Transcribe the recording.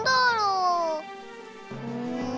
うん。